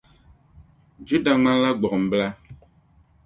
Juda ŋmanila gbuɣimbila.